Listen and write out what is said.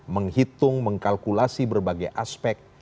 menghitung mengkalkulasi berbagai aspek